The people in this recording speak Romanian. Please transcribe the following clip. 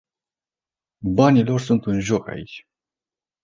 Banii lor sunt în joc aici.